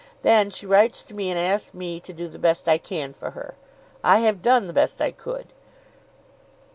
Then she writes to me and asks me to do the best I can for her. I have done the best I could."